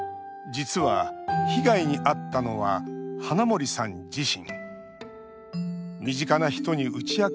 実は、被害にあったのは花森さん自身。